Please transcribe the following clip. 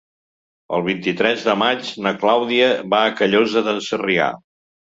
El vint-i-tres de maig na Clàudia va a Callosa d'en Sarrià.